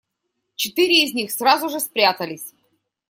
Четыре из них сразу же спрятались.